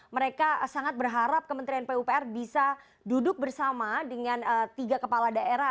mereka sangat berharap kementerian pupr bisa duduk bersama dengan tiga kepala daerah